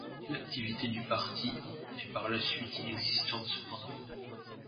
L'activité du parti est par la suite inexistante cependant.